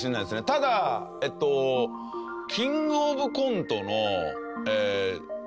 ただキングオブコントの前日かな？